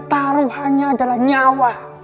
taruhannya adalah nyawa